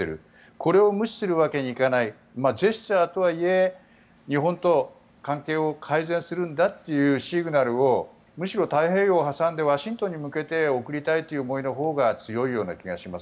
これを無視するわけにはいかないジェスチャーとはいえ日本と関係を改善するんだというシグナルをむしろ太平洋を挟んでワシントンへ向けて送りたいという思いのほうが強い気がします。